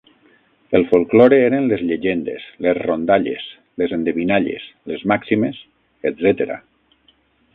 El folklore eren les llegendes, les rondalles, les endevinalles, les màximes, etcètera.